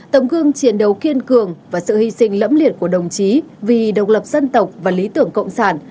tấm gương chiến đấu kiên cường và sự hy sinh lẫm liệt của đồng chí vì độc lập dân tộc và lý tưởng cộng sản